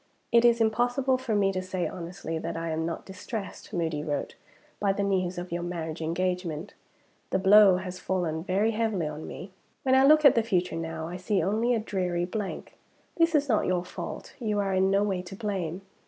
"It is impossible for me to say honestly that I am not distressed (Moody wrote) by the news of your marriage engagement. The blow has fallen very heavily on me. When I look at the future now, I see only a dreary blank. This is not your fault you are in no way to blame.